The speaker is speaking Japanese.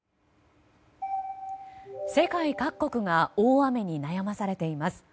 世界各国が大雨に悩まされています。